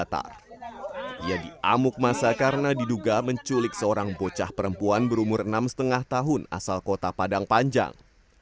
terus saya pergi mencari ke lokasi pelubuk tidak ada ketemu